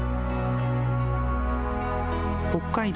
北海道